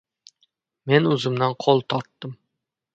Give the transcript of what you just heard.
Men uzumdan qo‘l tortdim.